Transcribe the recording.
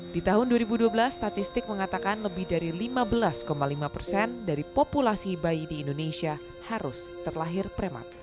di tahun dua ribu dua belas statistik mengatakan lebih dari lima belas lima persen dari populasi bayi di indonesia harus terlahir prematur